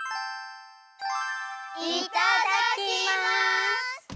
いただきます！